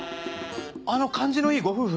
あの感じのいいご夫婦。